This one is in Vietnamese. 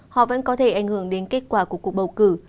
họ vẫn có thể ảnh hưởng đến kết quả của cuộc bầu cử